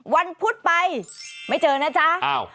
พุธไปไม่เจอนะจ๊ะ